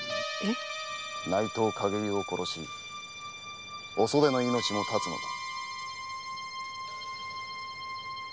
内藤勘解由を殺しお袖の命も断つのだ。